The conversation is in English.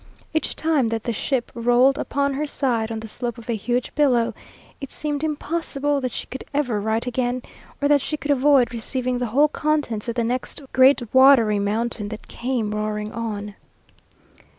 Each time that the ship rolled upon her side on the slope of a huge billow, it seemed impossible that she could ever right again, or that she could avoid receiving the whole contents of the next great watery mountain that came roaring on.